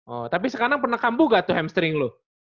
oh tapi sekarang pernah kambuh nggak tuh hamstring lu